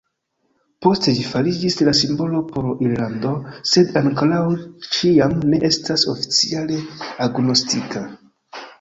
Poste ĝi fariĝis la simbolo por Irlando, sed ankoraŭ ĉiam ne estas oficiale agnoskita.